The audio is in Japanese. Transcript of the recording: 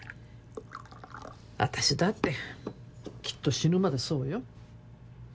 あたしだってきっと死ぬまでそうよ。